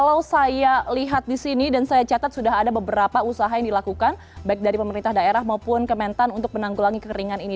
kalau saya lihat di sini dan saya catat sudah ada beberapa usaha yang dilakukan baik dari pemerintah daerah maupun kementan untuk menanggulangi kekeringan ini